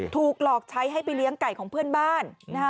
ถูกหลอกใช้ให้ไปเลี้ยงไก่ของเพื่อนบ้าน